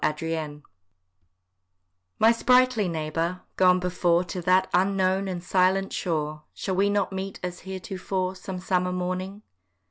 SUSANNAH "My sprightly neighbour, gone before To that unknown and silent shore! Shall we not meet as heretofore Some summer morning?